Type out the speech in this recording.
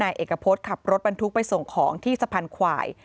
เอกพจน์ขับรถบรรทุกไปส่งของที่สะพานควาย